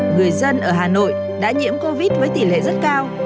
người dân ở hà nội đã nhiễm covid với tỷ lệ rất cao